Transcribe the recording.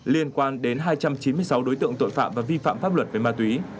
liên quan đến hai trăm chín mươi sáu đối tượng tội phạm và vi phạm pháp luật về ma túy